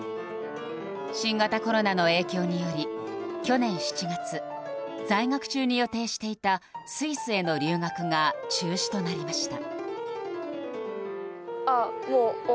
新型コロナの影響により去年７月在学中に予定していたスイスへの留学が中止となりました。